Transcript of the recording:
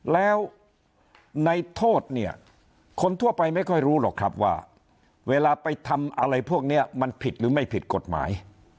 แล้วในโทษเนี่ยคนทั่วไปไม่ค่อยรู้หรอกครับว่าเวลาไปทำอะไรพวกนี้มันผิดหรือไม่ผิดกฎหมาย